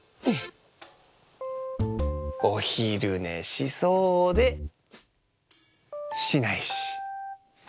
おひるねしそうでしないし。